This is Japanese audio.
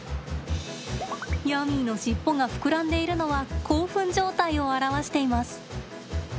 ヤミーの尻尾が膨らんでいるのは興奮状態を表しています。